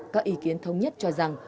các ý kiến thống nhất cho rằng